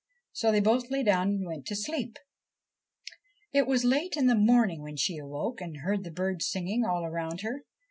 So they both lay down and went to sleep. It was late in the morning when she awoke and heard the birds singing all around her.